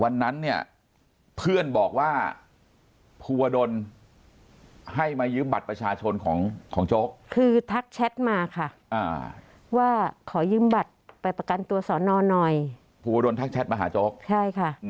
วันนั้นเนี่ยเพื่อนบอกว่าภูวดลให้มายืมบัตรประชาชนของโจ๊กคือทักแชทมาค่ะว่าขอยืมบัตรไปประกันตัวสอนอนหน่อยภูวดลทักแชทมาหาโจ๊กใช่ค่ะ